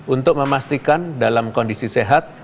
untuk memastikan dalam kondisi sehat